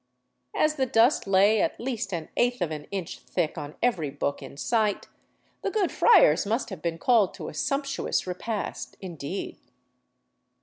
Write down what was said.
As the dust lay at least an eighth of an inch thick on every book in sight, the good friars must have been called to a sumptuous repast indeed.